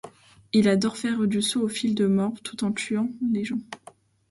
Il adore faire du saut au fil de morve tout en tuant les gens.